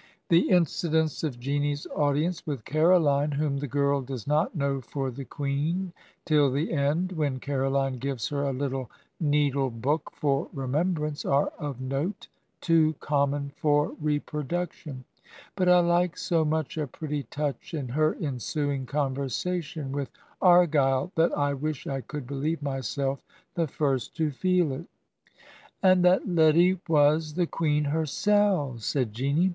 '" The incidents of Jeanie's audience with Caroline, whom the girl does not know for the Queen till the end, when Caroline gives her a little needle book for remem brance, are of note too common for reproduction; but I like so much a pretty touch in her ensuing conversation with Argyle, that I wish I could believe myself the first to feel it. '"And that leddy i4xis the Queen hersel'?' said Jeanie.